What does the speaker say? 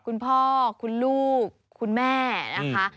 คุณพ่อคุณลูกคุณแม่นะคะ